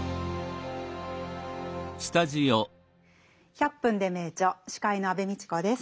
「１００分ｄｅ名著」司会の安部みちこです。